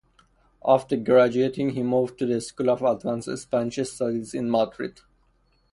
After graduating he moved to the School of Advanced Spanish Studies in Madrid.